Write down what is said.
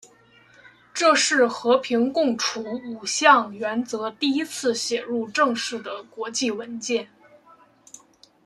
这是和平共处五项原则第一次写入正式的国际文件。